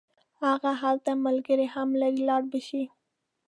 هغه هلته ملګري هم لري لاړ به شي.